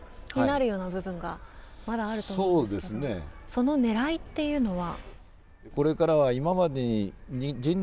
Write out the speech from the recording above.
その狙いというのは。